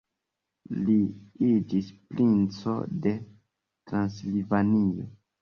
Li iĝis princo de Transilvanio.